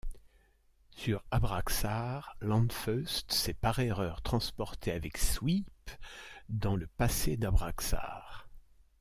Sur Abraxar, Lanfeust s'est par erreur transporté avec Swiip dans le passé d'Abraxar.